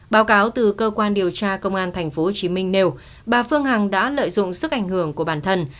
báo cáo từ cơ quan điều tra công an tp hcm nêu bà phương hằng đã lợi dụng sức ảnh hưởng của bản thân